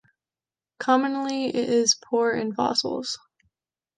Commonly it is poor in fossils.